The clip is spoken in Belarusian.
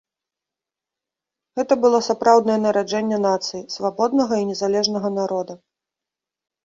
Гэта было сапраўднае нараджэнне нацыі, свабоднага і незалежнага народа.